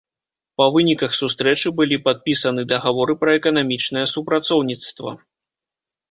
Па выніках сустрэчы былі падпісаны дагаворы пра эканамічнае супрацоўніцтва.